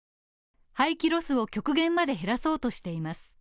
廃棄ロスを極限まで減らそうとしています。